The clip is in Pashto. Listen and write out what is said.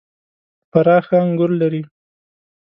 فراه ښه انګور لري .